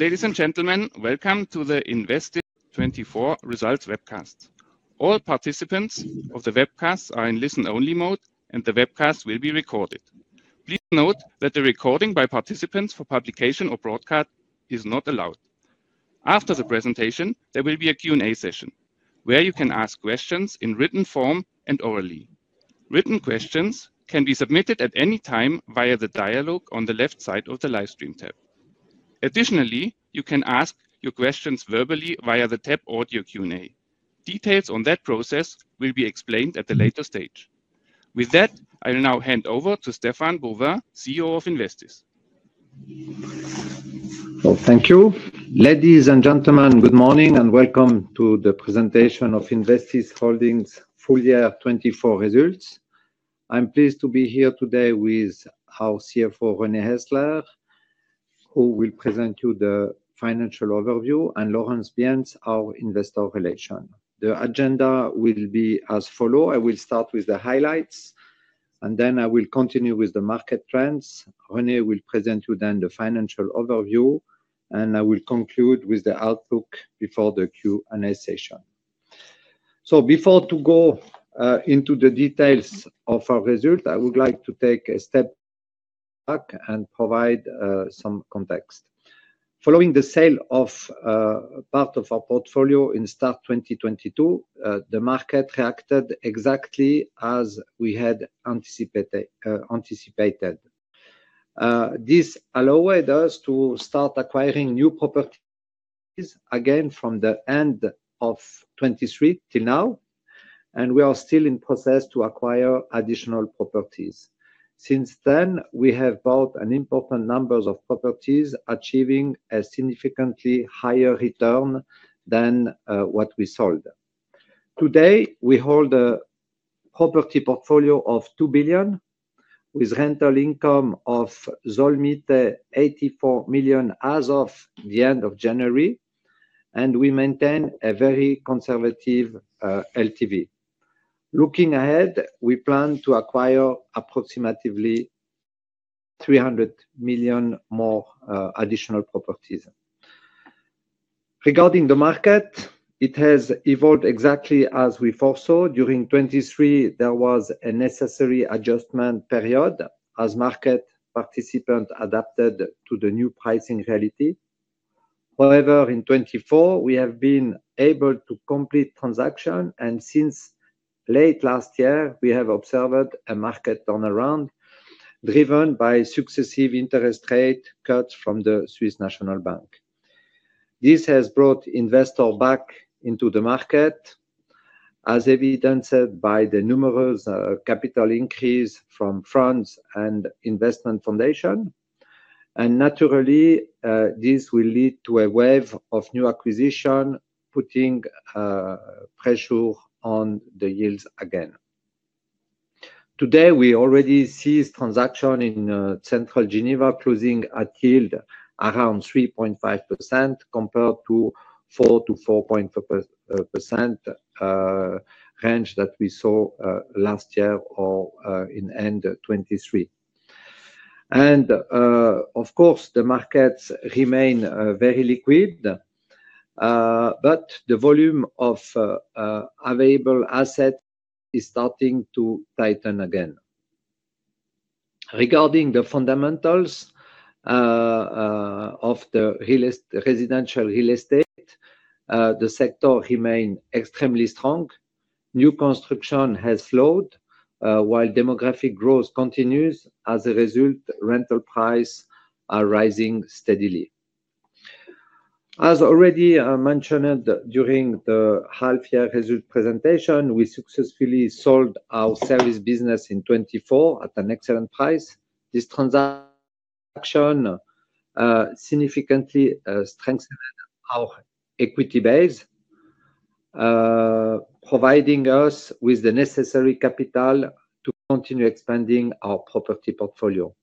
Ladies and gentlemen, welcome to the Investis Holding 2024 Results Webcast. All participants of the webcast are in listen-only mode, and the webcast will be recorded. Please note that the recording by participants for publication or broadcast is not allowed. After the presentation, there will be a Q&A session where you can ask questions in written form and orally. Written questions can be submitted at any time via the dialogue on the left side of the Livestream tab. Additionally, you can ask your questions verbally via the tab "Audio Q&A." Details on that process will be explained at a later stage. With that, I will now hand over to Stéphane Bonvin, CEO of Investis. Thank you. Ladies and gentlemen, good morning and welcome to the presentation of Investis Holding's full year 2024 results. I'm pleased to be here today with our CFO, René Häsler, who will present to you the financial overview, and Laurence Bienz, our investor relations. The agenda will be as follows. I will start with the highlights, and then I will continue with the market trends. René will present to you then the financial overview, and I will conclude with the outlook before the Q&A session. Before we go into the details of our results, I would like to take a step back and provide some context. Following the sale of part of our portfolio in early 2022, the market reacted exactly as we had anticipated. This allowed us to start acquiring new properties again from the end of 2023 till now, and we are still in the process to acquire additional properties. Since then, we have bought an important number of properties, achieving a significantly higher return than what we sold. Today, we hold a property portfolio of 2 billion, with rental income of 84 million as of the end of January, and we maintain a very conservative LTV. Looking ahead, we plan to acquire approximately 300 million more additional properties. Regarding the market, it has evolved exactly as we foresaw. During 2023, there was a necessary adjustment period as market participants adapted to the new pricing reality. However, in 2024, we have been able to complete transactions, and since late last year, we have observed a market turnaround driven by successive interest rate cuts from the Swiss National Bank. This has brought investors back into the market, as evidenced by the numerous capital increases from funds and investment foundations. Naturally, this will lead to a wave of new acquisitions, putting pressure on the yields again. Today, we already see transactions in central Geneva closing at yield around 3.5% compared to the 4%-4.5% range that we saw last year or in end 2023. Of course, the markets remain very liquid, but the volume of available assets is starting to tighten again. Regarding the fundamentals of the residential real estate, the sector remains extremely strong. New construction has slowed while demographic growth continues. As a result, rental prices are rising steadily. As already mentioned during the half-year result presentation, we successfully sold our service business in 2024 at an excellent price. This transaction significantly strengthened our equity base, providing us with the necessary capital to continue expanding our property portfolio.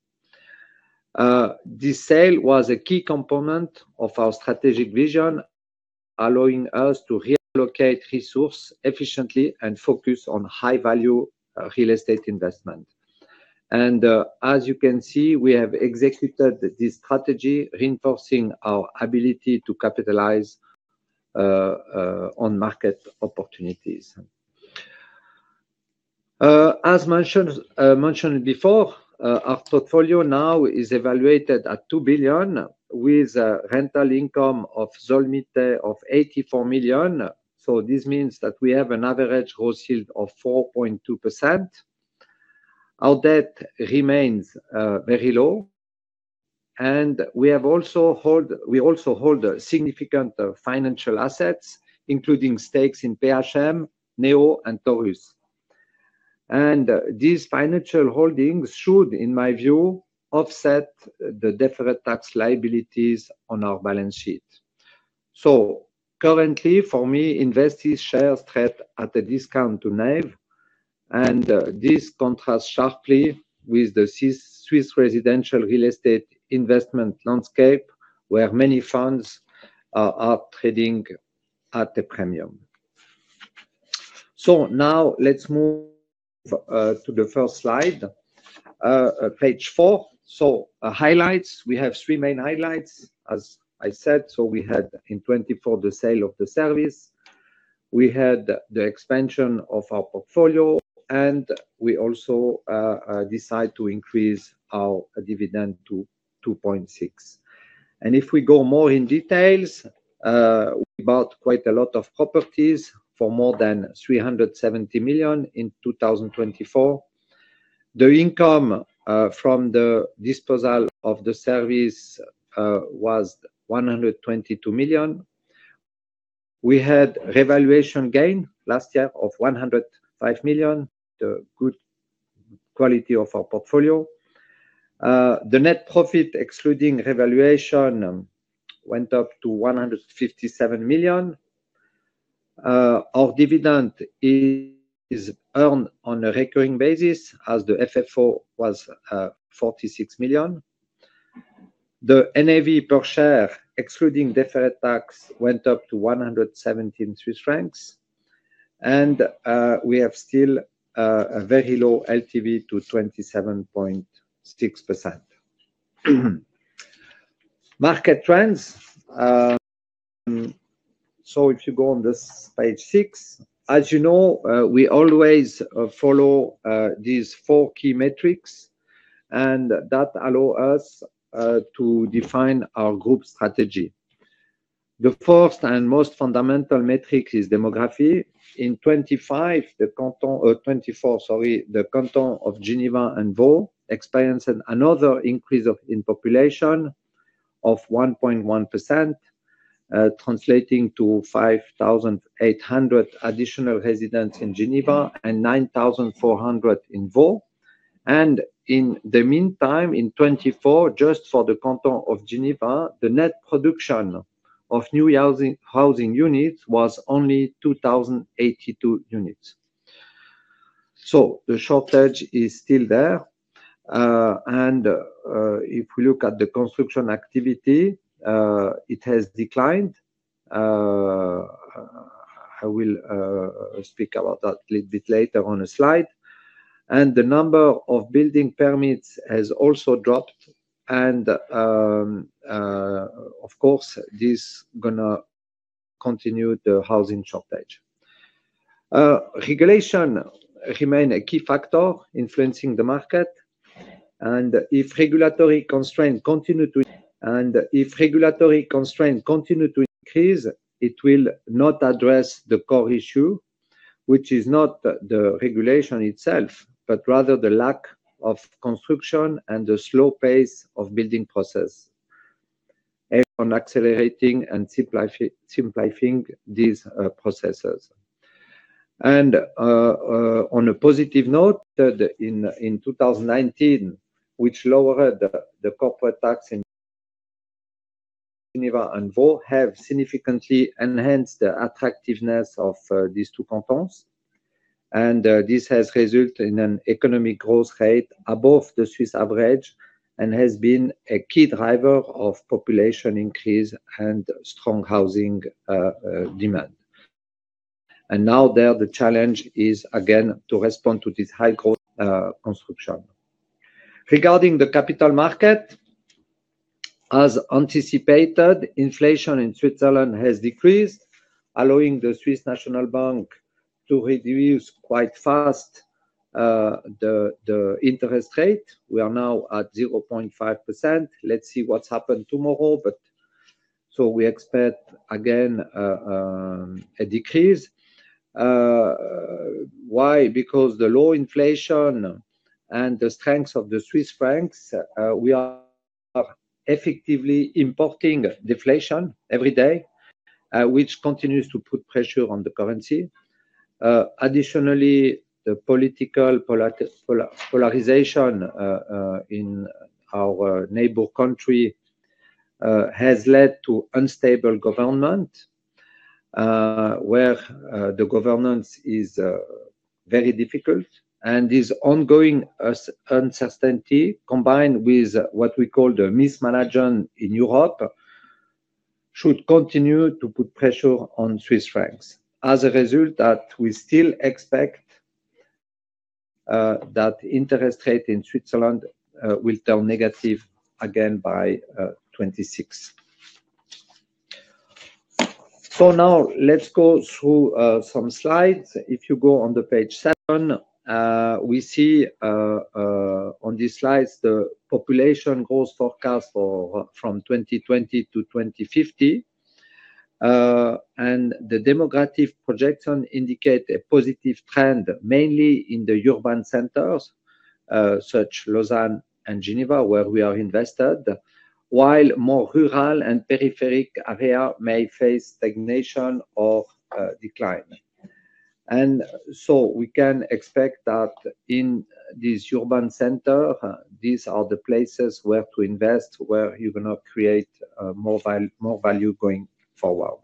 This sale was a key component of our strategic vision, allowing us to reallocate resources efficiently and focus on high-value real estate investments. As you can see, we have executed this strategy, reinforcing our ability to capitalize on market opportunities. As mentioned before, our portfolio now is evaluated at 2 billion, with a rental income of 84 million. This means that we have an average gross yield of 4.2%. Our debt remains very low, and we also hold significant financial assets, including stakes in PHM, NEO, and Taurus. These financial holdings should, in my view, offset the deferred tax liabilities on our balance sheet. Currently, for me, Investis shares trade at a discount to NAV, and this contrasts sharply with the Swiss residential real estate investment landscape, where many funds are trading at a premium. Now let's move to the first slide, page four. Highlights, we have three main highlights, as I said. We had in 2024 the sale of the service. We had the expansion of our portfolio, and we also decided to increase our dividend to 2.6. If we go more in details, we bought quite a lot of properties for more than 370 million in 2024. The income from the disposal of the service was 122 million. We had revaluation gain last year of 105 million, the good quality of our portfolio. The net profit, excluding revaluation, went up to 157 million. Our dividend is earned on a recurring basis, as the FFO was 46 million. The NAV per share, excluding deferred tax, went up to 117 Swiss francs, and we have still a very low LTV to 27.6%. Market trends. If you go on this page six, as you know, we always follow these four key metrics, and that allows us to define our group strategy. The first and most fundamental metric is demography. In 2024, the canton of Geneva and Vaud experienced another increase in population of 1.1%, translating to 5,800 additional residents in Geneva and 9,400 in Vaud. In the meantime, in 2024, just for the canton of Geneva, the net production of new housing units was only 2,082 units. The shortage is still there. If we look at the construction activity, it has declined. I will speak about that a little bit later on a slide. The number of building permits has also dropped. Of course, this is going to continue the housing shortage. Regulation remains a key factor influencing the market. If regulatory constraints continue to increase, it will not address the core issue, which is not the regulation itself, but rather the lack of construction and the slow pace of the building process and accelerating and simplifying these processes. On a positive note, in 2019, which lowered the corporate tax in Geneva and Vaud, has significantly enhanced the attractiveness of these two cantons. This has resulted in an economic growth rate above the Swiss average and has been a key driver of population increase and strong housing demand. Now there, the challenge is again to respond to this high growth construction. Regarding the capital market, as anticipated, inflation in Switzerland has decreased, allowing the Swiss National Bank to reduce quite fast the interest rate. We are now at 0.5%. Let's see what happens tomorrow. We expect again a decrease. Why? Because the low inflation and the strength of the Swiss franc, we are effectively importing deflation every day, which continues to put pressure on the currency. Additionally, the political polarization in our neighbor country has led to unstable government, where the governance is very difficult. This ongoing uncertainty, combined with what we call the mismanagement in Europe, should continue to put pressure on Swiss franc. As a result, we still expect that interest rates in Switzerland will turn negative again by 2026. Now let's go through some slides. If you go on to page seven, we see on these slides the population growth forecast from 2020 to 2050. The demographic projection indicates a positive trend, mainly in the urban centers, such as Lausanne and Geneva, where we are invested, while more rural and peripheral areas may face stagnation or decline. We can expect that in these urban centers, these are the places where to invest, where you're going to create more value going forward.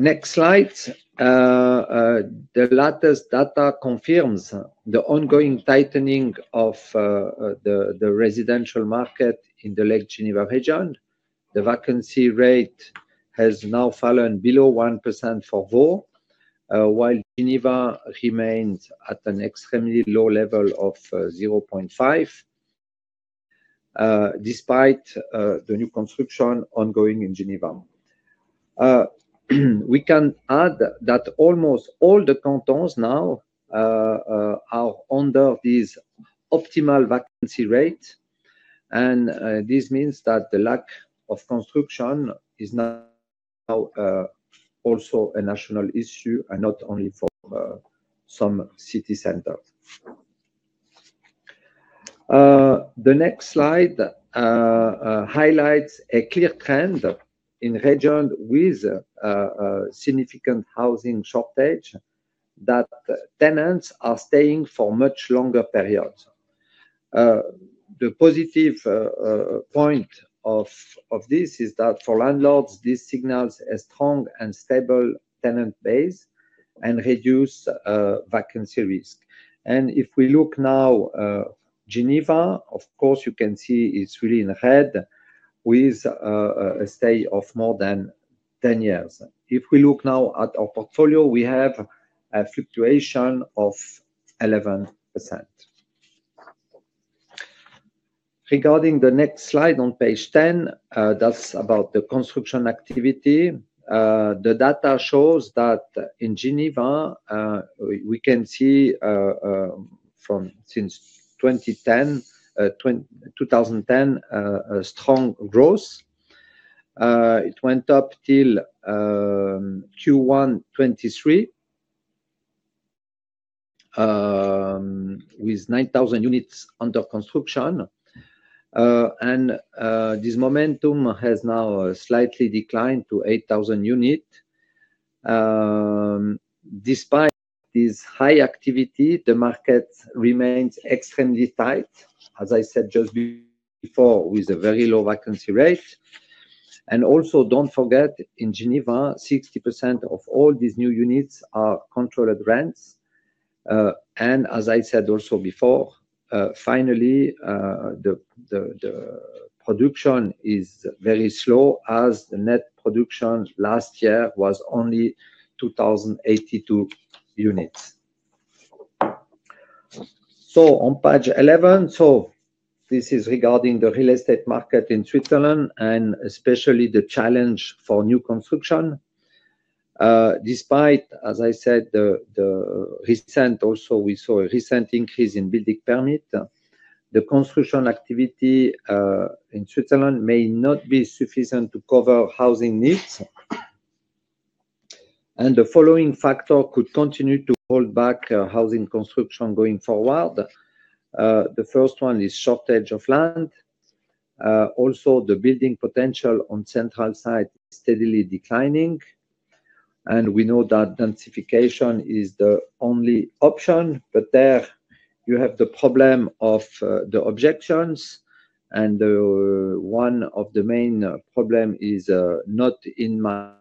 Next slide. The latest data confirms the ongoing tightening of the residential market in the Lake Geneva region. The vacancy rate has now fallen below 1% for Vaud, while Geneva remains at an extremely low level of 0.5%, despite the new construction ongoing in Geneva. We can add that almost all the cantons now are under this optimal vacancy rate. This means that the lack of construction is now also a national issue, not only for some city centers. The next slide highlights a clear trend in the region with a significant housing shortage that tenants are staying for much longer periods. The positive point of this is that for landlords, this signals a strong and stable tenant base and reduces vacancy risk. If we look now at Geneva, of course, you can see it's really in red with a stay of more than 10 years. If we look now at our portfolio, we have a fluctuation of 11%. Regarding the next slide on page 10, that's about the construction activity. The data shows that in Geneva, we can see since 2010, a strong growth. It went up till Q1 2023 with 9,000 units under construction. This momentum has now slightly declined to 8,000 units. Despite this high activity, the market remains extremely tight, as I said just before, with a very low vacancy rate. Also, do not forget, in Geneva, 60% of all these new units are controlled rents. As I said before, finally, the production is very slow, as the net production last year was only 2,082 units. On page 11, this is regarding the real estate market in Switzerland and especially the challenge for new construction. Despite, as I said, the recent, also we saw a recent increase in building permits, the construction activity in Switzerland may not be sufficient to cover housing needs. The following factors could continue to hold back housing construction going forward. The first one is shortage of land. Also, the building potential on the central side is steadily declining. We know that densification is the only option. There you have the problem of the objections. One of the main problems is the not in my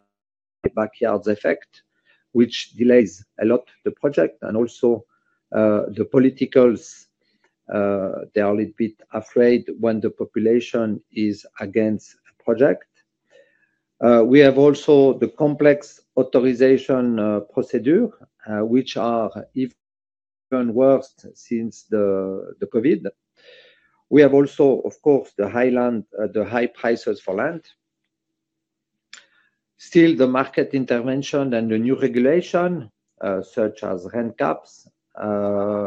backyard effect, which delays a lot the project. Also, the politicians, they are a little bit afraid when the population is against the project. We have also the complex authorization procedures, which are even worse since COVID. We have also, of course, the high prices for land. Still, the market intervention and the new regulation, such as rent caps,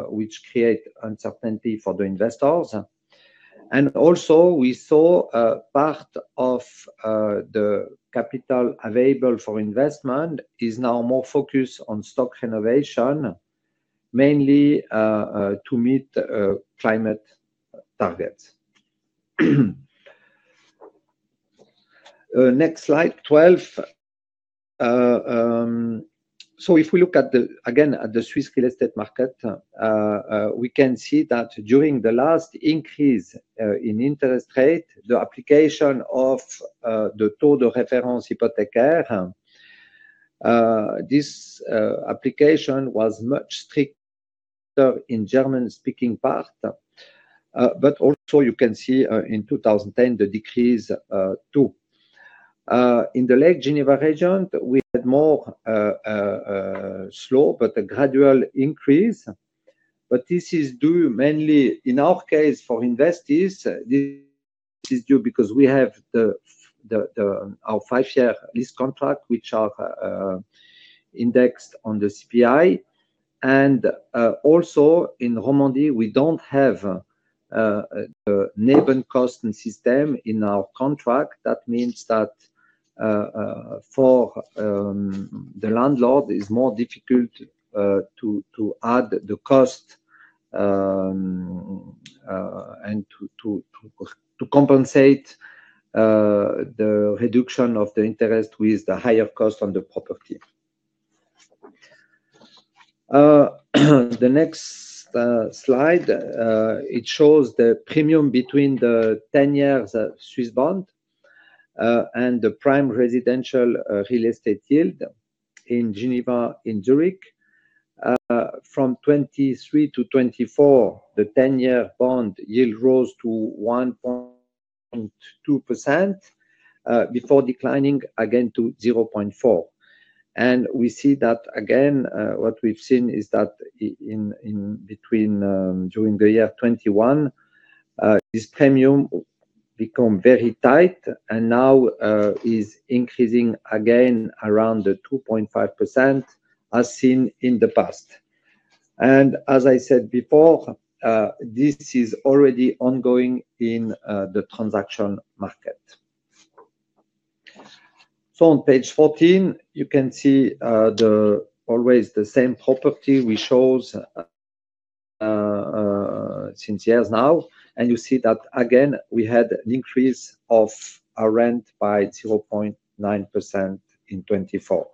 which create uncertainty for the investors. Also, we saw part of the capital available for investment is now more focused on stock renovation, mainly to meet climate targets. Next slide, 12. If we look again at the Swiss real estate market, we can see that during the last increase in interest rate, the application of the taux de référence hypothécaire, this application was much stricter in the German-speaking part. Also, you can see in 2010, the decrease too. In the Lake Geneva region, we had more slow but gradual increase. This is due mainly, in our case, for investors. This is due because we have our five-year lease contract, which is indexed on the CPI. Also, in Romandy, we do not have the NAV and cost and system in our contract. That means that for the landlord, it is more difficult to add the cost and to compensate the reduction of the interest with the higher cost on the property. The next slide, it shows the premium between the 10-year Swiss bond and the prime residential real estate yield in Geneva and Zurich. From 2023 to 2024, the 10-year bond yield rose to 1.2% before declining again to 0.4%. We see that again, what we've seen is that during the year 2021, this premium became very tight and now is increasing again around 2.5%, as seen in the past. As I said before, this is already ongoing in the transaction market. On page 14, you can see always the same property we showed since years now. You see that again, we had an increase of our rent by 0.9% in 2024.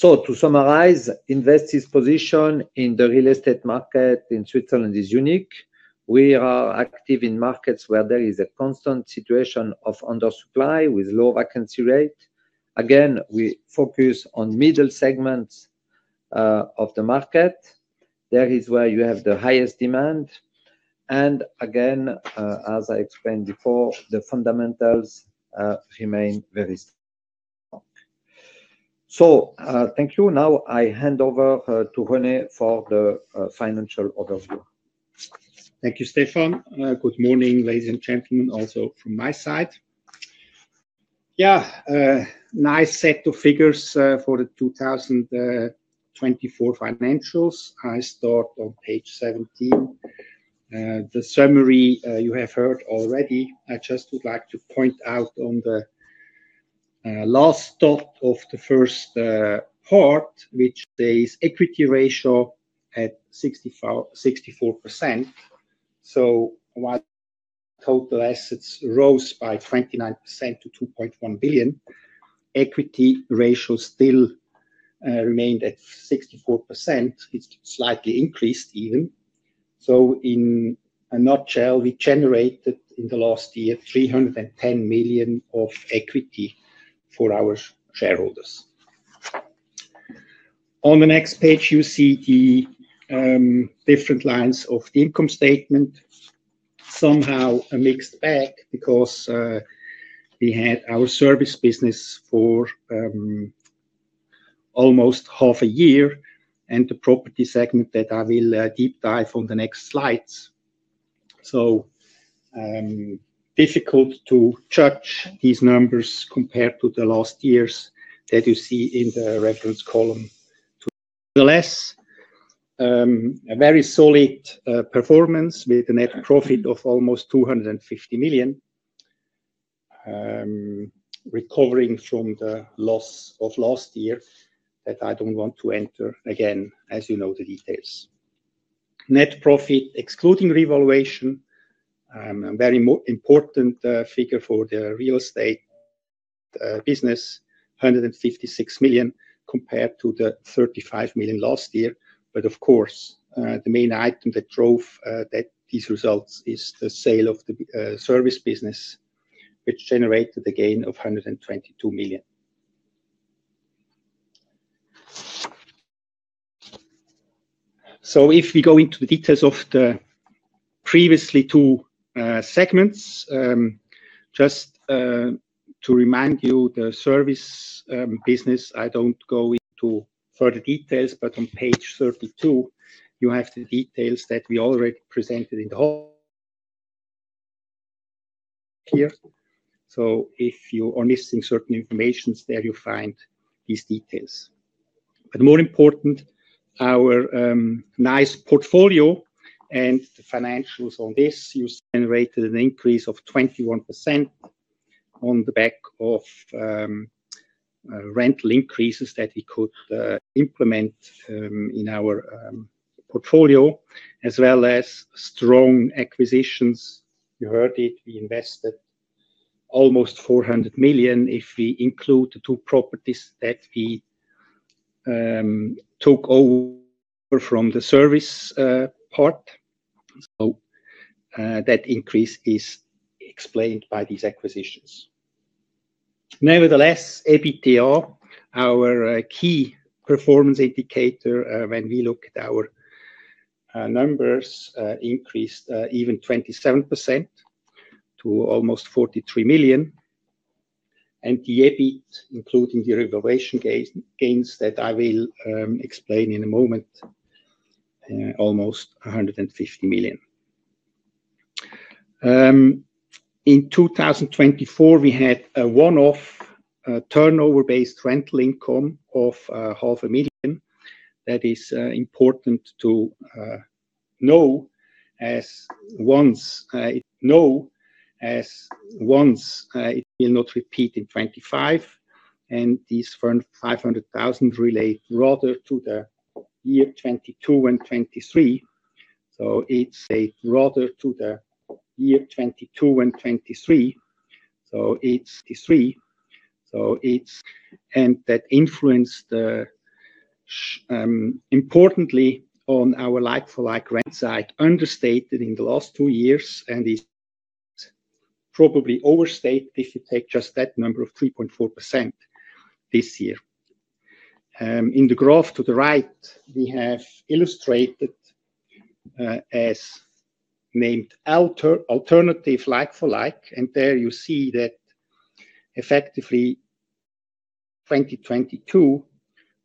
To summarize, Investis' position in the real estate market in Switzerland is unique. We are active in markets where there is a constant situation of undersupply with low vacancy rate. We focus on middle segments of the market. That is where you have the highest demand. As I explained before, the fundamentals remain very strong. Thank you. Now I hand over to René for the financial overview. Thank you, Stéphane. Good morning, ladies and gentlemen, also from my side. Yeah, nice set of figures for the 2024 financials. I start on page 17. The summary you have heard already. I just would like to point out on the last thought of the first part, which says equity ratio at 64%. While total assets rose by 29% to 2.1 billion, equity ratio still remained at 64%. It slightly increased even. In a nutshell, we generated in the last year 310 million of equity for our shareholders. On the next page, you see the different lines of the income statement, somehow a mixed bag because we had our service business for almost half a year and the property segment that I will deep dive on the next slides. Difficult to judge these numbers compared to the last years that you see in the reference column. Nonetheless, a very solid performance with a net profit of almost 250 million, recovering from the loss of last year that I don't want to enter again, as you know the details. Net profit excluding revaluation, a very important figure for the real estate business, 156 million compared to the 35 million last year. Of course, the main item that drove these results is the sale of the service business, which generated a gain of 122 million. If we go into the details of the previously two segments, just to remind you, the service business, I don't go into further details, but on page 32, you have the details that we already presented in the whole here. If you are missing certain information, there you find these details. More important, our nice portfolio and the financials on this, you generated an increase of 21% on the back of rental increases that we could implement in our portfolio, as well as strong acquisitions. You heard it, we invested almost 400 million if we include the two properties that we took over from the service part. That increase is explained by these acquisitions. Nevertheless, EBITDA, our key performance indicator, when we look at our numbers, increased even 27% to almost 43 million. The EBIT, including the revaluation gains that I will explain in a moment, almost CHF 150 million. In 2024, we had a one-off turnover-based rental income of 500,000. That is important to know as once it will not repeat in 2025. These 500,000 relate rather to the year 2022 and 2023. It relates rather to the year 2022 and 2023. It is 2023. That influenced importantly on our like-for-like rent side, understated in the last two years, and is probably overstated if you take just that number of 3.4% this year. In the graph to the right, we have illustrated as named alternative like-for-like. There you see that effectively 2022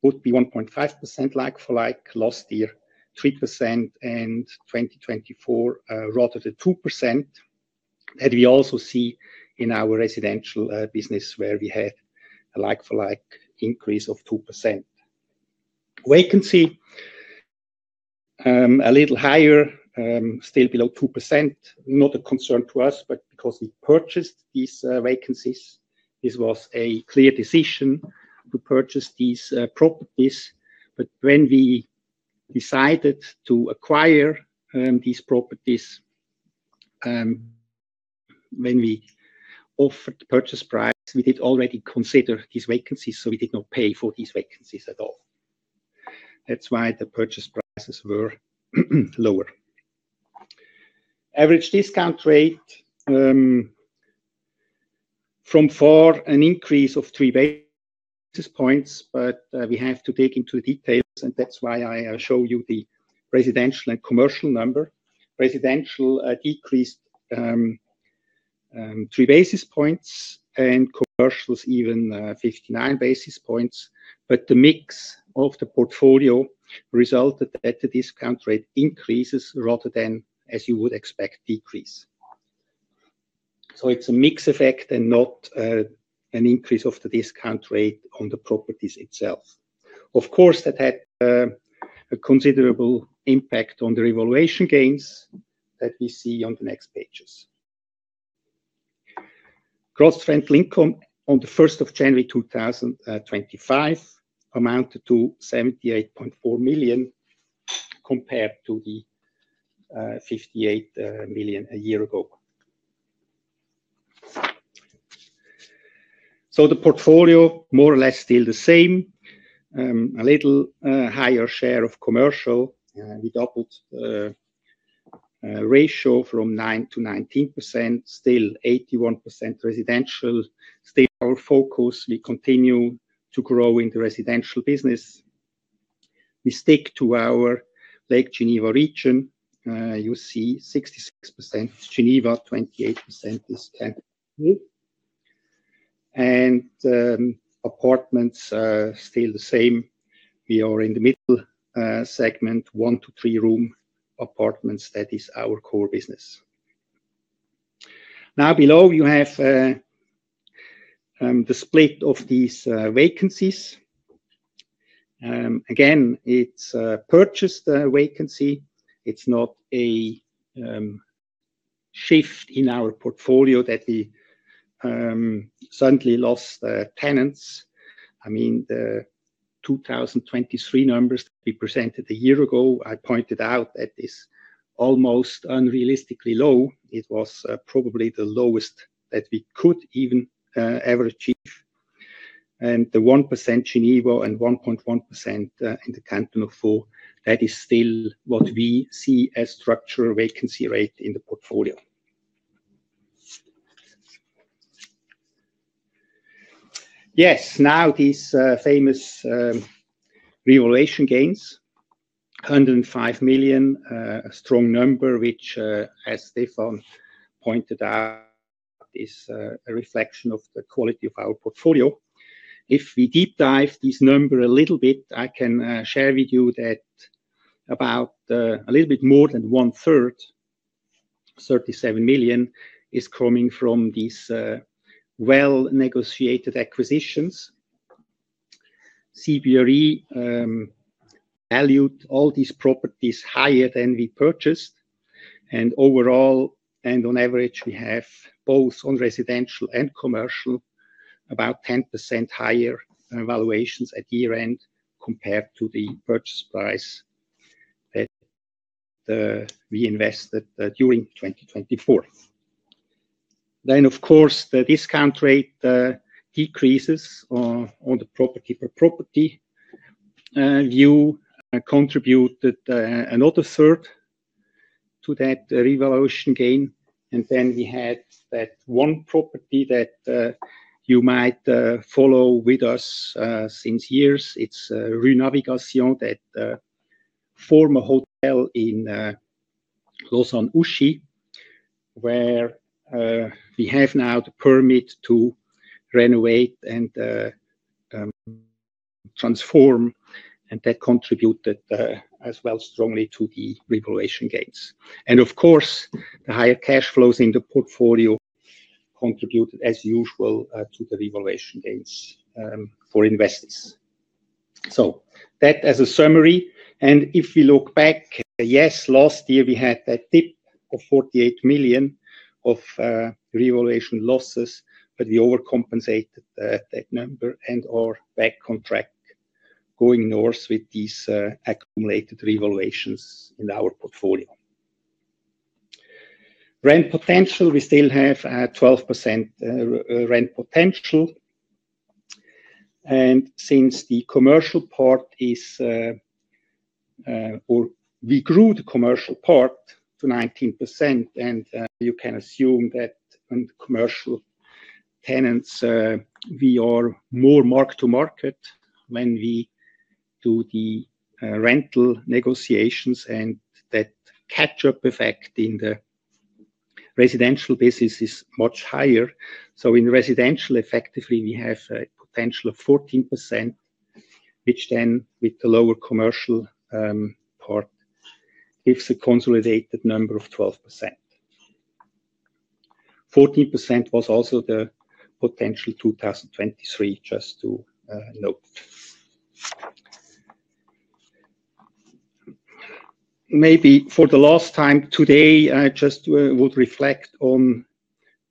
would be 1.5% like-for-like, last year 3%, and 2024 rather than 2%. That we also see in our residential business where we had a like-for-like increase of 2%. Vacancy, a little higher, still below 2%, not a concern to us, but because we purchased these vacancies, this was a clear decision to purchase these properties. When we decided to acquire these properties, when we offered the purchase price, we did already consider these vacancies, so we did not pay for these vacancies at all. That is why the purchase prices were lower. Average discount rate from four, an increase of three basis points, but we have to dig into the details, and that's why I show you the residential and commercial number. Residential decreased three basis points and commercial's even 59 basis points. The mix of the portfolio resulted that the discount rate increases rather than, as you would expect, decrease. It is a mixed effect and not an increase of the discount rate on the properties itself. Of course, that had a considerable impact on the revaluation gains that we see on the next pages. Gross rental income on the 1st of January 2025 amounted to 78.4 million compared to the 58 million a year ago. The portfolio more or less still the same, a little higher share of commercial. We doubled the ratio from 9% to 19%, still 81% residential. Still our focus, we continue to grow in the residential business. We stick to our Lake Geneva region. You see 66% Geneva, 28% is Canton of Vaud. And apartments still the same. We are in the middle segment, one to three-room apartments. That is our core business. Now below, you have the split of these vacancies. Again, it's a purchased vacancy. It's not a shift in our portfolio that we suddenly lost tenants. I mean, the 2023 numbers that we presented a year ago, I pointed out that it's almost unrealistically low. It was probably the lowest that we could even ever achieve. And the 1% Geneva and 1.1% in the Canton of Vaud, that is still what we see as structural vacancy rate in the portfolio. Yes, now these famous revaluation gains, 105 million, a strong number, which, as Stéphane pointed out, is a reflection of the quality of our portfolio. If we deep dive these numbers a little bit, I can share with you that about a little bit more than one-third, 37 million, is coming from these well-negotiated acquisitions. CBRE valued all these properties higher than we purchased. Overall, and on average, we have both on residential and commercial about 10% higher valuations at year-end compared to the purchase price that we invested during 2024. Of course, the discount rate decreases on the property-per-property view contributed another third to that revaluation gain. We had that one property that you might follow with us since years. It is Rue Navigation that formed a hotel in Lausanne, where we have now the permit to renovate and transform. That contributed as well strongly to the revaluation gains. Of course, the higher cash flows in the portfolio contributed, as usual, to the revaluation gains for investors. That as a summary. If we look back, last year we had that dip of 48 million of revaluation losses, but we overcompensated that number and are back on track going north with these accumulated revaluations in our portfolio. Rent potential, we still have 12% rent potential. Since the commercial part is, or we grew the commercial part to 19%, you can assume that on commercial tenants, we are more mark-to-market when we do the rental negotiations, and that catch-up effect in the residential business is much higher. In residential, effectively, we have a potential of 14%, which then with the lower commercial part gives a consolidated number of 12%. 14% was also the potential 2023, just to note. Maybe for the last time today, I just would reflect on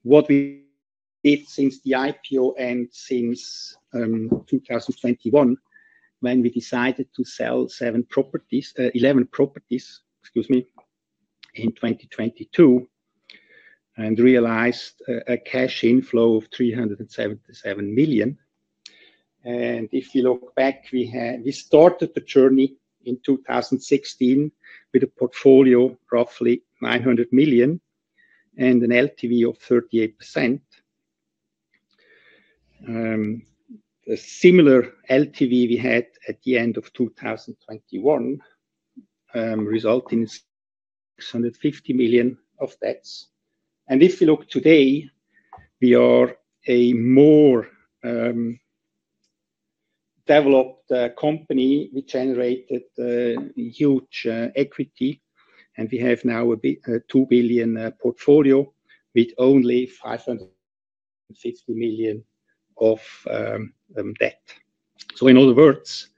what we did since the IPO and since 2021, when we decided to sell 11 properties, excuse me, in 2022, and realized a cash inflow of 377 million. If we look back, we started the journey in 2016 with a portfolio of roughly 900 million and an LTV of 38%. The similar LTV we had at the end of 2021 resulted in 650 million of debts. If we look today, we are a more developed company. We generated huge equity, and we have now a 2 billion portfolio with only 550 million of debt. In other words,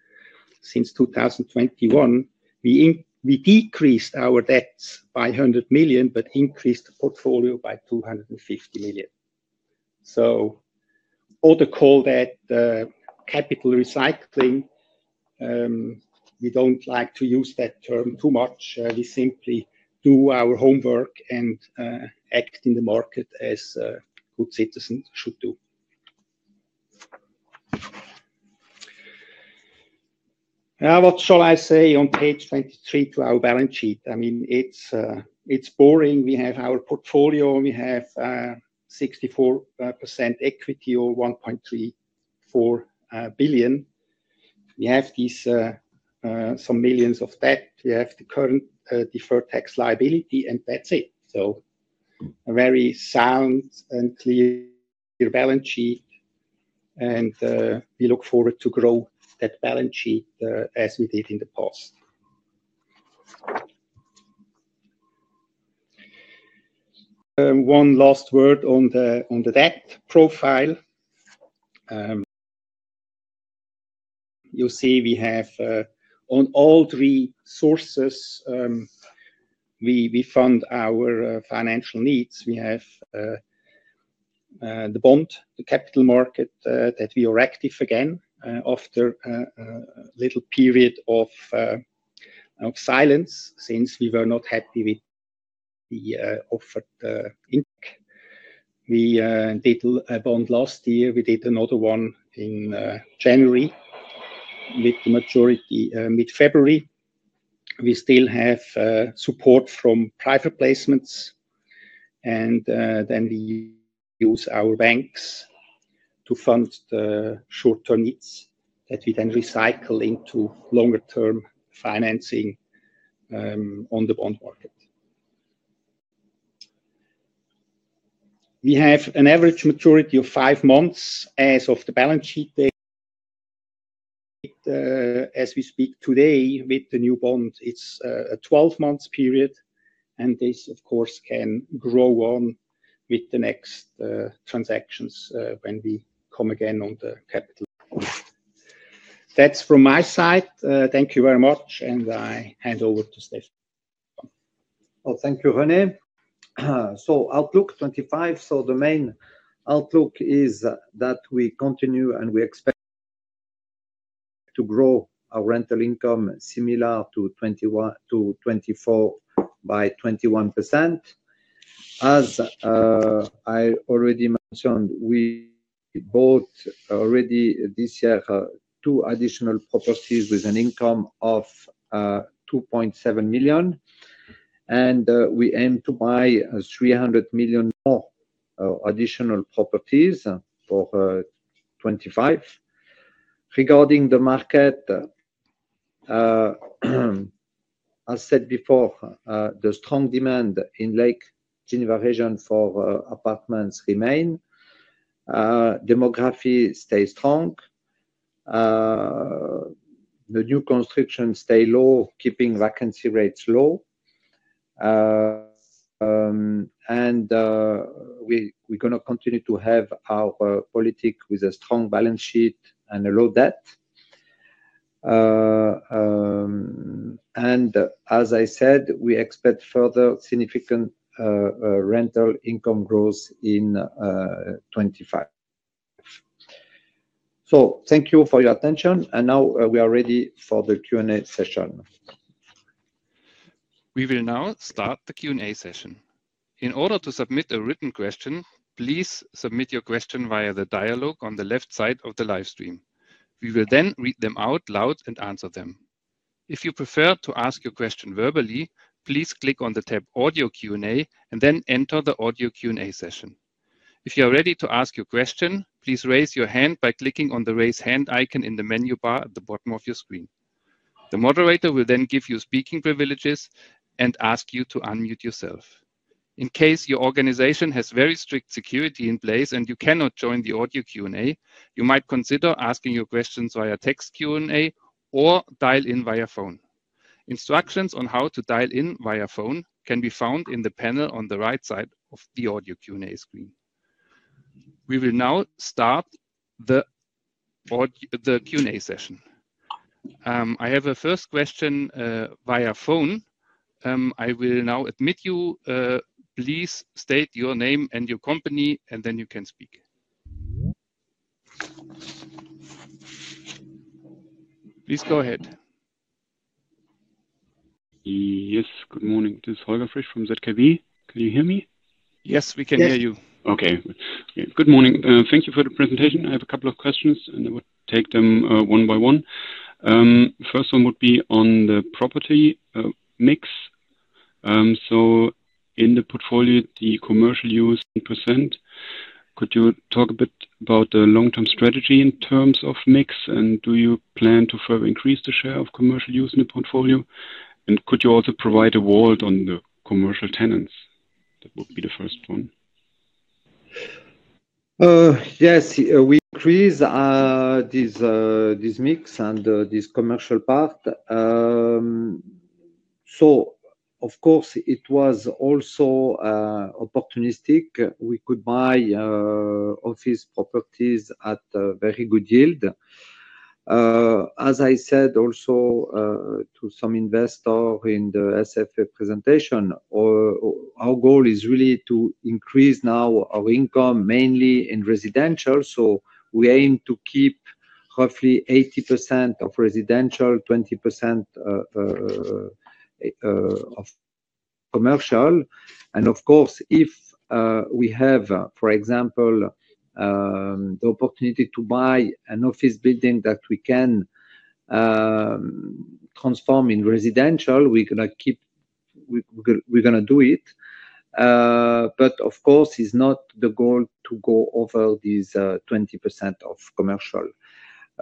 since 2021, we decreased our debts by 100 million but increased the portfolio by 250 million. All the call that capital recycling, we do not like to use that term too much. We simply do our homework and act in the market as a good citizen should do. Now, what shall I say on page 23 to our balance sheet? I mean, it's boring. We have our portfolio. We have 64% equity or 1.34 billion. We have these some millions of debt. We have the current deferred tax liability, and that's it. A very sound and clear balance sheet. We look forward to grow that balance sheet as we did in the past. One last word on the debt profile. You see we have on all three sources, we fund our financial needs. We have the bond, the capital market that we are active again after a little period of silence since we were not happy with the offered income. We did a bond last year. We did another one in January with the majority mid-February. We still have support from private placements. We use our banks to fund the short-term needs that we then recycle into longer-term financing on the bond market. We have an average maturity of five months as of the balance sheet date. As we speak today with the new bond, it is a 12-month period. This, of course, can grow on with the next transactions when we come again on the capital market. That is from my side. Thank you very much. I hand over to Stéphane. Thank you, René. Outlook 2025. The main outlook is that we continue and we expect to grow our rental income similar to 2021 to 2024 by 21%. As I already mentioned, we bought already this year two additional properties with an income of 2.7 million. We aim to buy 300 million more additional properties for 2025. Regarding the market, as said before, the strong demand in Lake Geneva region for apartments remain. Demography stays strong. The new construction stays low, keeping vacancy rates low. We are going to continue to have our politic with a strong balance sheet and a low debt. As I said, we expect further significant rental income growth in 2025. Thank you for your attention. Now we are ready for the Q&A session. We will now start the Q&A session. In order to submit a written question, please submit your question via the dialogue on the left side of the live stream. We will then read them out loud and answer them. If you prefer to ask your question verbally, please click on the tab Audio Q&A and then enter the audio Q&A session. If you are ready to ask your question, please raise your hand by clicking on the raise hand icon in the menu bar at the bottom of your screen. The moderator will then give you speaking privileges and ask you to unmute yourself. In case your organization has very strict security in place and you cannot join the audio Q&A, you might consider asking your questions via text Q&A or dial in via phone. Instructions on how to dial in via phone can be found in the panel on the right side of the audio Q&A screen. We will now start the Q&A session. I have a first question via phone. I will now admit you. Please state your name and your company, and then you can speak. Please go ahead. Yes, good morning. This is Holger Fisch from Zürcher Kantonalbank. Can you hear me? Yes, we can hear you. Okay. Good morning. Thank you for the presentation. I have a couple of questions, and I will take them one by one. First one would be on the property mix. In the portfolio, the commercial use is 10%. Could you talk a bit about the long-term strategy in terms of mix? Do you plan to further increase the share of commercial use in the portfolio? Could you also provide a word on the commercial tenants? That would be the first one. Yes. Increase this mix and this commercial part. It was also opportunistic. We could buy office properties at very good yield. As I said also to some investors in the SFA presentation, our goal is really to increase now our income mainly in residential. We aim to keep roughly 80% of residential, 20% of commercial. Of course, if we have, for example, the opportunity to buy an office building that we can transform into residential, we're going to keep, we're going to do it. Of course, it's not the goal to go over these 20% of commercial.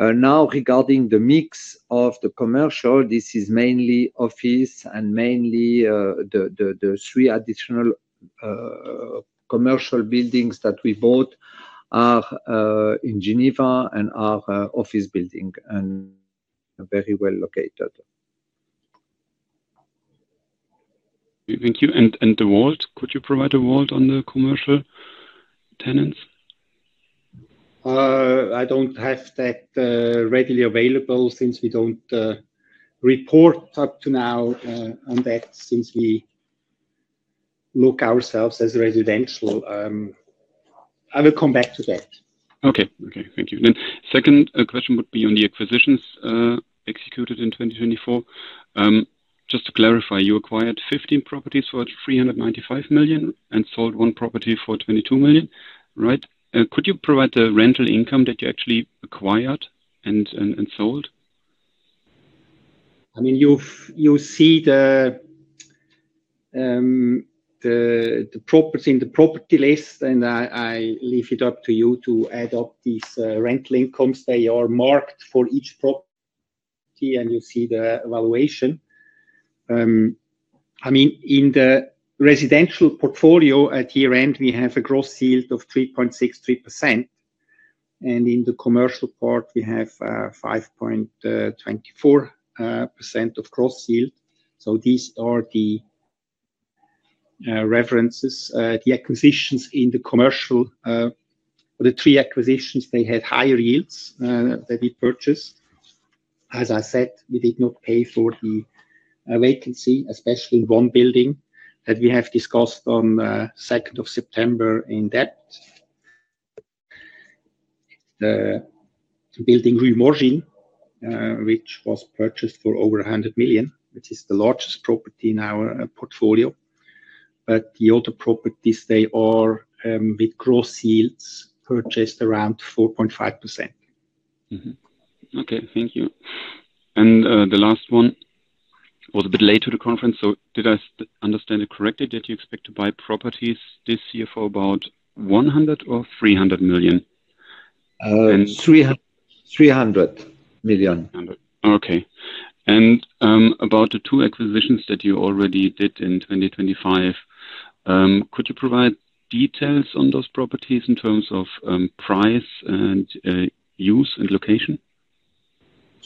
Now, regarding the mix of the commercial, this is mainly office and mainly the three additional commercial buildings that we bought are in Geneva and are office buildings and very well located. Thank you. Could you provide a word on the commercial tenants? I don't have that readily available since we don't report up to now on that since we look ourselves as residential. I will come back to that. Okay. Thank you. The second question would be on the acquisitions executed in 2024. Just to clarify, you acquired 15 properties for 395 million and sold one property for 22 million, right? Could you provide the rental income that you actually acquired and sold? I mean, you see the properties in the property list, and I leave it up to you to add up these rental incomes that you are marked for each property, and you see the evaluation. I mean, in the residential portfolio at year-end, we have a gross yield of 3.63%. In the commercial part, we have 5.24% of gross yield. These are the references, the acquisitions in the commercial. The three acquisitions, they had higher yields than we purchased. As I said, we did not pay for the vacancy, especially in one building that we have discussed on 2nd of September in debt. The building Rue Morgin, which was purchased for over 100 million, which is the largest property in our portfolio. The other properties, they are with gross yields purchased around 4.5%. Okay. Thank you. The last one was a bit late to the conference. Did I understand it correctly that you expect to buy properties this year for about 100 million or 300 million? 300 million. Okay. About the two acquisitions that you already did in 2024, could you provide details on those properties in terms of price and use and location?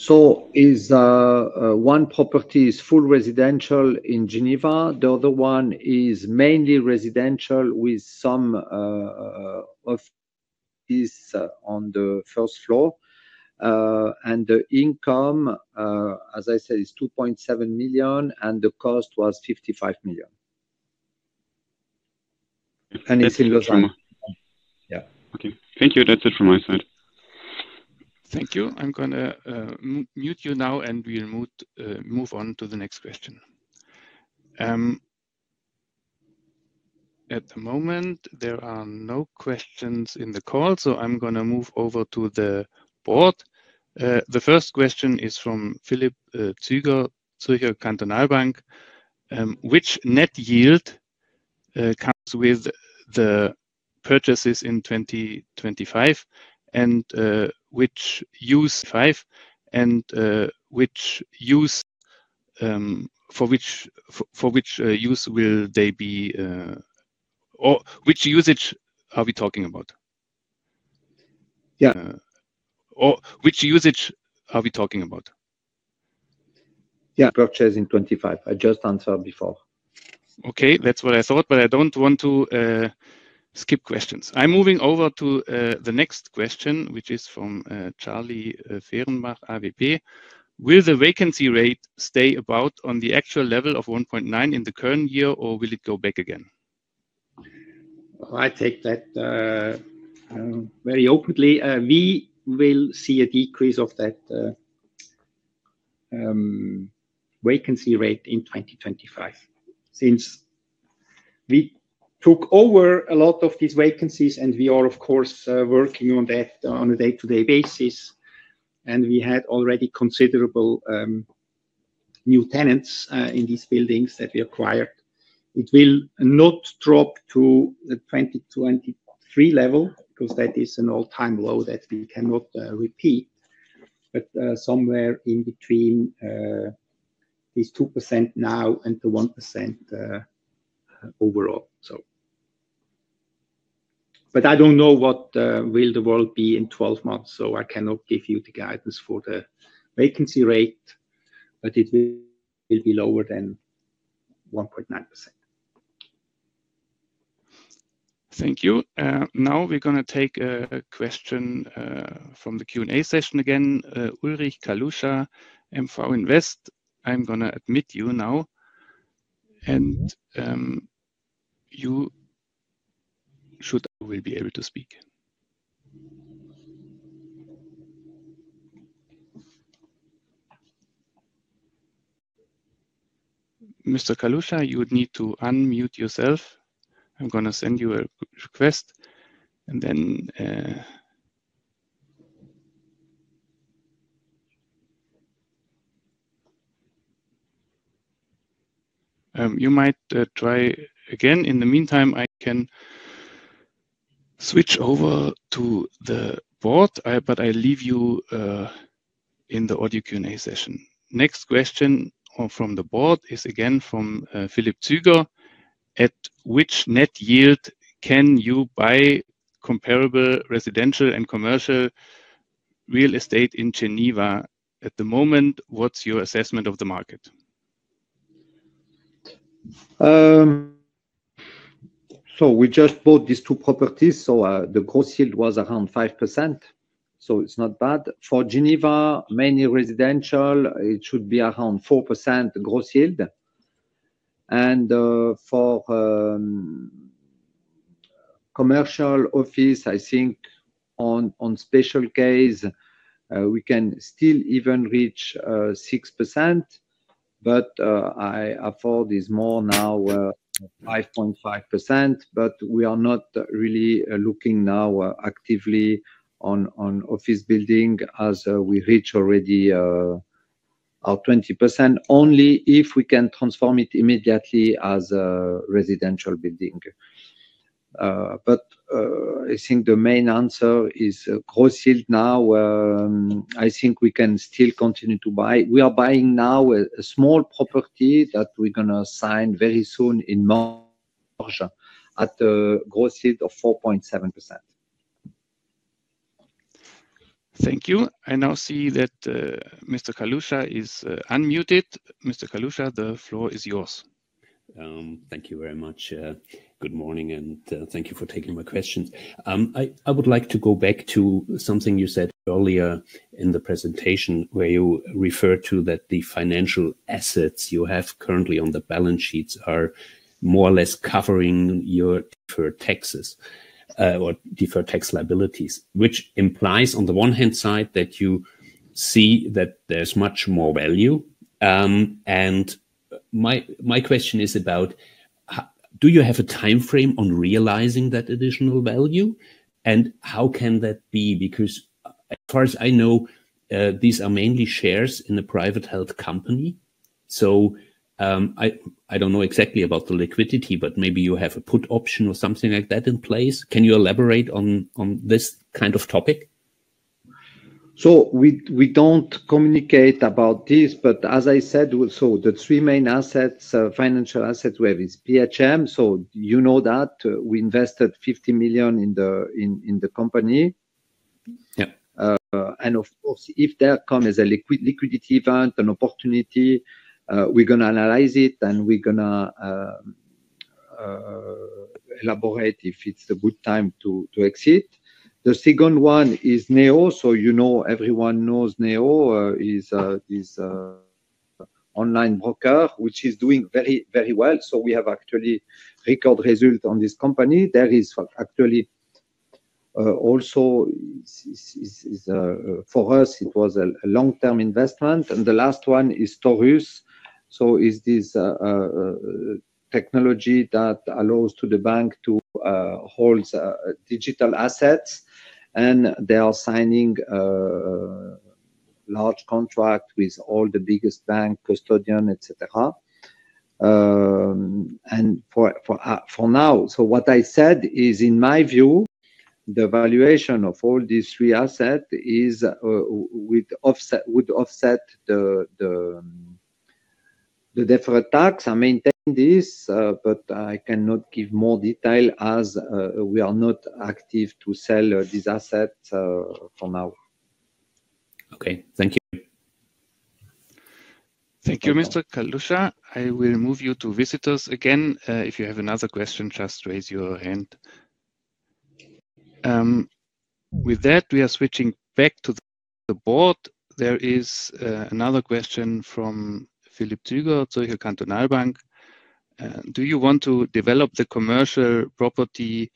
One property is full residential in Geneva. The other one is mainly residential with some office on the first floor. The income, as I said, is 2.7 million, and the cost was 55 million. It is in Lausanne. Yeah. Okay. Thank you. That's it from my side. Thank you. I'm going to mute you now, and we'll move on to the next question. At the moment, there are no questions in the call, so I'm going to move over to the board. The first question is from Philip Züller, Zürcher Kantonalbank. Which net yield comes with the purchases in 2025, and which use? 2025, and for which use will they be? Which usage are we talking about? Yeah. Or which usage are we talking about? Yeah. Purchase in 2025. I just answered before. Okay. That's what I thought, but I don't want to skip questions. I'm moving over to the next question, which is from Charlie Fehrenbach, AVP. Will the vacancy rate stay about on the actual level of 1.9% in the current year, or will it go back again? I take that very openly. We will see a decrease of that vacancy rate in 2025 since we took over a lot of these vacancies, and we are, of course, working on that on a day-to-day basis. We had already considerable new tenants in these buildings that we acquired. It will not drop to the 2023 level because that is an all-time low that we cannot repeat, but somewhere in between these 2% now and the 1% overall. I do not know what will the world be in 12 months, so I cannot give you the guidance for the vacancy rate, but it will be lower than 1.9%. Thank you. Now we are going to take a question from the Q&A session again. Ulrich Kaluscher, MV Invest. I am going to admit you now. You should be able to speak. Mr. Kaluscher, you would need to unmute yourself. I am going to send you a request. You might try again. In the meantime, I can switch over to the board, but I leave you in the audio Q&A session. Next question from the board is again from Philip Züller. At which net yield can you buy comparable residential and commercial real estate in Geneva? At the moment, what's your assessment of the market? We just bought these two properties, so the gross yield was around 5%. It's not bad. For Geneva, mainly residential, it should be around 4% gross yield. For commercial office, I think on special case, we can still even reach 6%, but I thought it's more now, 5.5%. We are not really looking now actively on office building as we reach already our 20%, only if we can transform it immediately as a residential building. I think the main answer is gross yield now. I think we can still continue to buy. We are buying now a small property that we're going to sign very soon in March at a gross yield of 4.7%. Thank you. I now see that Mr. Kaluscher is unmuted. Mr. Kaluscher, the floor is yours. Thank you very much. Good morning, and thank you for taking my questions. I would like to go back to something you said earlier in the presentation where you referred to that the financial assets you have currently on the balance sheets are more or less covering your deferred taxes or deferred tax liabilities, which implies on the one hand side that you see that there's much more value. My question is about, do you have a timeframe on realizing that additional value? How can that be? Because as far as I know, these are mainly shares in a private health company. I don't know exactly about the liquidity, but maybe you have a put option or something like that in place. Can you elaborate on this kind of topic? We do not communicate about this, but as I said, the three main assets, financial assets we have is PHM. You know that we invested 50 million in the company. Of course, if there comes a liquidity event, an opportunity, we are going to analyze it, and we are going to elaborate if it is a good time to exit. The second one is NEO. Everyone knows NEO is an online broker, which is doing very, very well. We have actually record results on this company. There is actually also for us, it was a long-term investment. The last one is Taurus. It is this technology that allows the bank to hold digital assets, and they are signing large contracts with all the biggest banks, custodians, etc. For now, what I said is, in my view, the valuation of all these three assets would offset the deferred tax. I maintain this, but I cannot give more detail as we are not active to sell these assets for now. Okay. Thank you. Thank you, Mr. Kaluscher. I will move you to visitors again. If you have another question, just raise your hand. With that, we are switching back to the board. There is another question from Philip Züller, Zürcher Kantonalbank. Do you want to develop the commercial property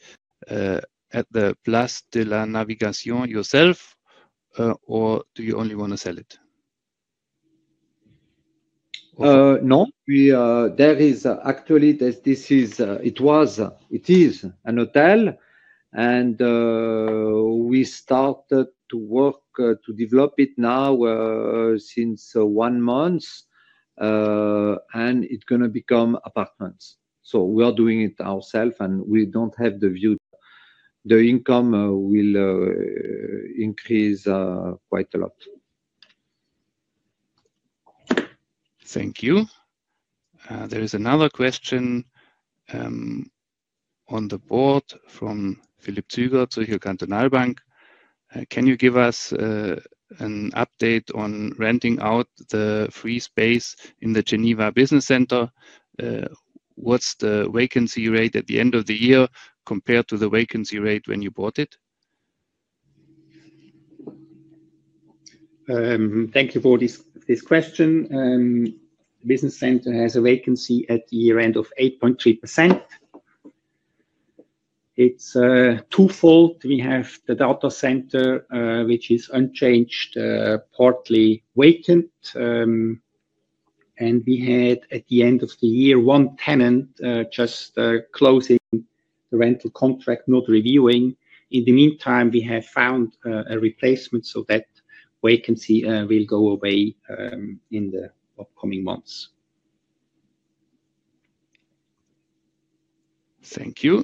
at the Place de la Navigation yourself, or do you only want to sell it? No, actually this is a hotel, and we started to work to develop it now since one month, and it's going to become apartments. We are doing it ourselves, and we don't have the view. The income will increase quite a lot. Thank you. There is another question on the board from Philippe Züger, Zürcher Kantonalbank. Can you give us an update on renting out the free space in the Geneva Business Center? What's the vacancy rate at the End of the year compared to the vacancy rate when you bought it? Thank you for this question. The Business Center has a vacancy at year-end of 8.3%. It's twofold. We have the data center, which is unchanged, partly vacant. And we had, at the End of the year, one tenant just closing the rental contract, not reviewing. In the meantime, we have found a replacement, so that vacancy will go away in the upcoming months. Thank you.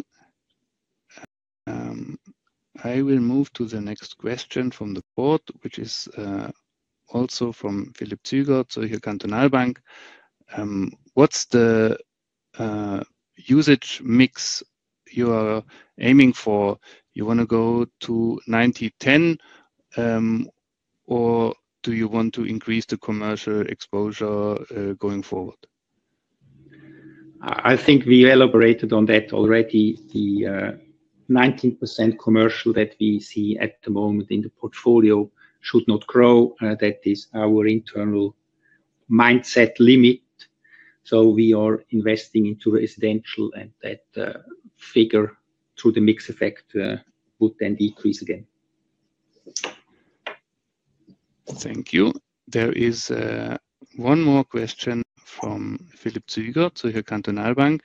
I will move to the next question from the board, which is also from Philip Züller, Zürcher Kantonalbank. What's the usage mix you are aiming for? You want to go to 90-10, or do you want to increase the commercial exposure going forward? I think we elaborated on that already. The 19% commercial that we see at the moment in the portfolio should not grow. That is our internal mindset limit. So, we are investing into residential, and that figure through the mix effect would then decrease again. Thank you. There is one more question from Philippe Züger, Zürcher Kantonalbank.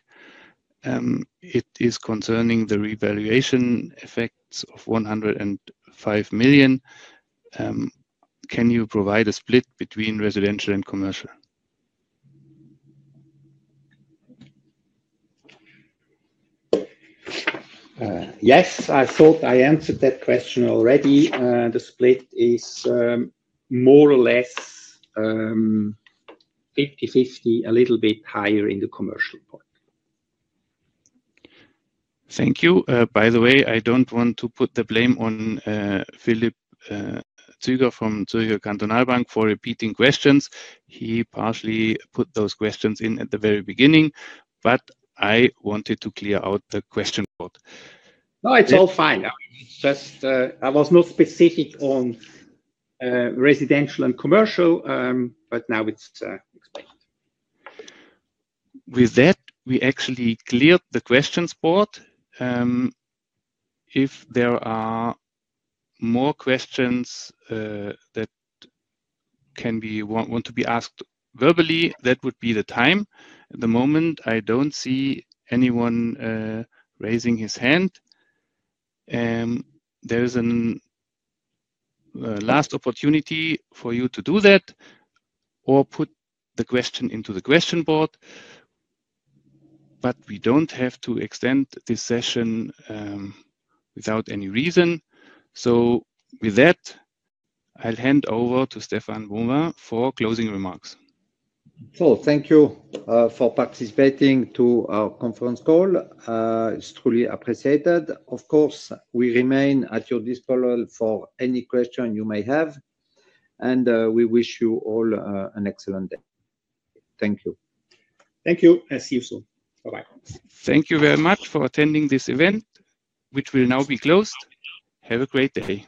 It is concerning the revaluation effects of 105 million. Can you provide a split between residential and commercial? Yes. I thought I answered that question already. The split is more or less 50-50, a little bit higher in the commercial part. Thank you. By the way, I do not want to put the blame on Philippe Züger from Zürcher Kantonalbank for repeating questions. He partially put those questions in at the very beginning, but I wanted to clear out the question board. No, it's all fine. I was not specific on residential and commercial, but now it's explained. With that, we actually cleared the questions board. If there are more questions that want to be asked verbally, that would be the time. At the moment, I don't see anyone raising his hand. There is a last opportunity for you to do that or put the question into the question board, but we don't have to extend this session without any reason. With that, I'll hand over to Stefan Wummer for closing remarks. Thank you for participating in our conference call. It's truly appreciated. Of course, we remain at your disposal for any question you may have, and we wish you all an excellent day. Thank you. Thank you. I see you soon. Bye-bye. Thank you very much for attending this event, which will now be closed. Have a great day.